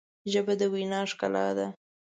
ژبه د وینا ښکلا ده